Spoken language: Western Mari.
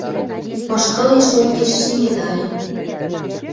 Пышкылеш онгеш ши медальым, —